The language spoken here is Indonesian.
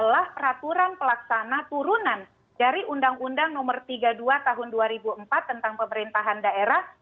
adalah peraturan pelaksana turunan dari undang undang nomor tiga puluh dua tahun dua ribu empat tentang pemerintahan daerah